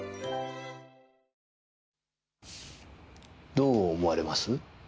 どう思われます？